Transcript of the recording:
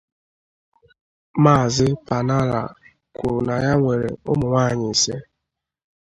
Maazị Pannalal kwuru na ya nwèrè ụmụnwaanyị ise